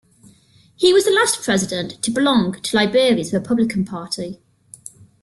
He was the last President to belong to Liberia's Republican Party.